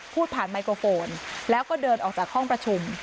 พูดผ่านไมโครโฟนแล้วก็เดินออกจากห้องประชุม